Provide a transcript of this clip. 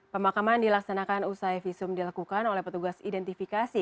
pemakaman dilaksanakan usai visum dilakukan oleh petugas identifikasi